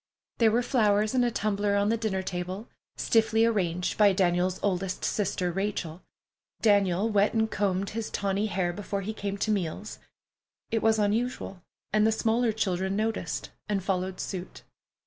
There were flowers in a tumbler on the dinner table, stiffly arranged by Daniel's oldest sister, Rachel. Daniel wet and combed his tawny hair before he came to meals. It was unusual, and the smaller children noticed and followed suit.